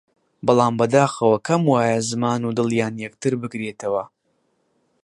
بەڵام بەداخەوە کەم وایە زمان و دڵیان یەکتر بگرێتەوە!